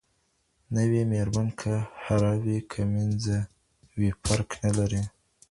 نوې ميرمن که حره وي که مينځه وي فرق نلري.